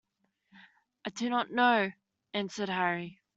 "I do not know," answered Harry.